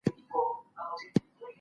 د نبي عليه سلام زمانه ډېره ښه وه.